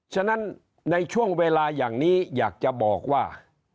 ฉะนั้นในช่วงเวลาอย่างนี้อยากจะบอกว่า